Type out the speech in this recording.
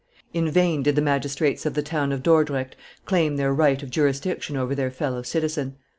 In vain did the magistrates of the town of Dordrecht claim their right of jurisdiction over their fellow citizen.